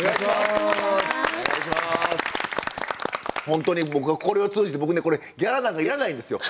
本当に僕はこれを通じて僕ねこれギャラなんかいらないんですよ。